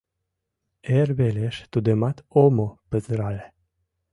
Эр велеш тудымат омо пызырале.